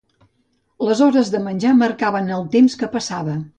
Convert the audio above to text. Les hores de menjar marcaven el temps que passava